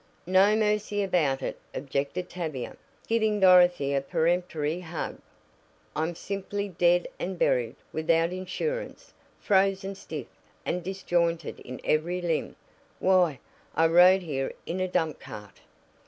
"No mercy about it," objected Tavia, giving Dorothy a peremptory hug. "I'm simply dead and buried, without insurance. Frozen stiff, and disjointed in every limb. Why, I rode here in a dump cart!"